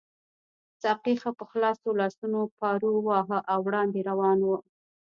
ساقي ښه په خلاصو لاسونو پارو واهه او وړاندې روان وو.